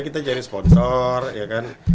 kita cari sponsor ya kan